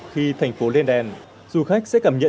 khi thành phố lên đèn du khách sẽ cảm nhận